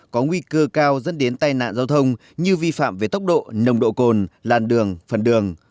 có nguy cơ cao dẫn đến tai nạn giao thông như vi phạm về tốc độ nồng độ cồn làn đường phần đường